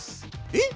えっ？